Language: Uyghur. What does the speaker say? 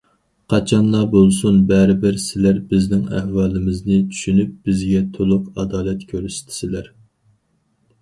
قاچانلا بولسۇن، بەرىبىر، سىلەر بىزنىڭ ئەھۋالىمىزنى چۈشىنىپ، بىزگە تولۇق ئادالەت كۆرسىتىسىلەر.